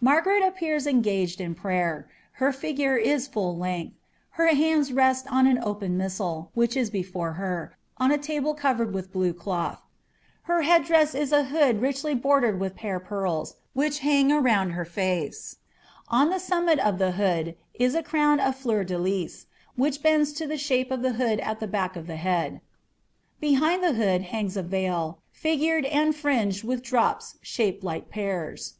Margaret appears engaged in prayer ; her figure whole length ; her luuids rest on an open missnl, which is before her, I A table covered with blue cloth ; her head dress is a hood richly bor ted with pear pearls, which hang round her face ; on the summit of e hood is a crown of fieur de lis, which bends to the shape of the md at the back of the head ; behind the hood hangs a veil, figured, d fringed with drops shaped like pears.